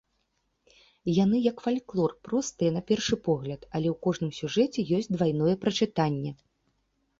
Яны, як фальклор, простыя на першы погляд, але ў кожным сюжэце ёсць двайное прачытанне.